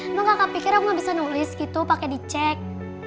emang kakak pikir aku gak bisa nulis gitu pake dicek